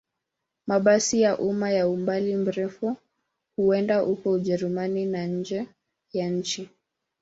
Mabasi ya umma ya umbali mrefu huenda huko Ujerumani na nje ya nchi.